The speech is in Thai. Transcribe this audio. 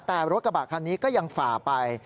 แต่รถกระบะคันนี้ก็ยังฝ่าไป